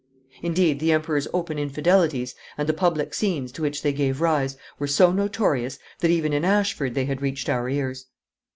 Indeed, the Emperor's open infidelities, and the public scenes to which they gave rise, were so notorious, that even in Ashford they had reached our ears.